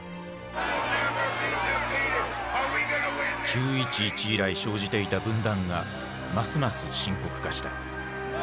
９．１１以来生じていた分断がますます深刻化した。